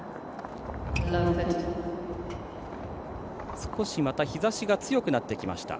少し日差しが強くなってきました。